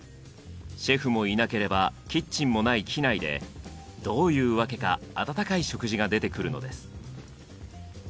シェフもいなければキッチンもない機内でどういうわけか温かい食事が出てくるのです。